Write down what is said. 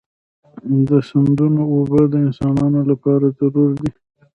د سیندونو اوبه د انسانانو لپاره ضروري دي.